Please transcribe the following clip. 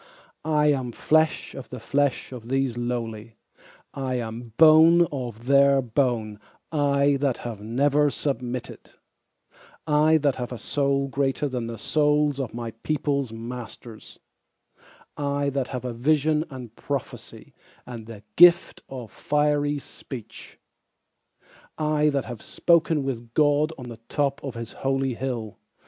I am flesh of the flesh of these lowly, I am bone of their bone I that have never submitted; I that have a soul greater than the souls of my peopleŌĆÖs masters, I that have vision and prophecy, and the gift of fiery speech, I that have spoken with God on the top of his holy hill.